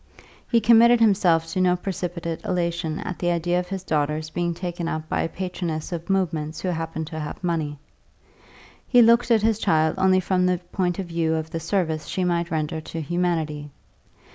He committed himself to no precipitate elation at the idea of his daughter's being taken up by a patroness of movements who happened to have money; he looked at his child only from the point of view of the service she might render to humanity.